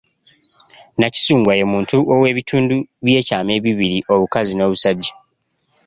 Nakisungwa ye muntu ow’ebItundu by’ekyama ebibiri, obukazi n’obusajja.